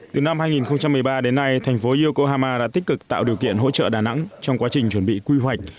từ năm hai nghìn một mươi ba đến nay thành phố yokohama đã tích cực tạo điều kiện hỗ trợ đà nẵng trong quá trình chuẩn bị quy hoạch